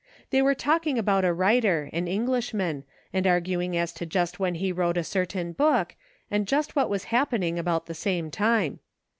They were talking about a writer, an Englishman, and arguing as to just when he wrote a certain book, and just what was happening about the same time.